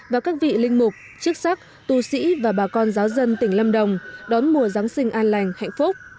và các vị linh mục chức sắc tu sĩ và bà con giáo dân tỉnh lâm đồng đón mùa giáng sinh an lành hạnh phúc